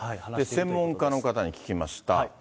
専門家の方に聞きました。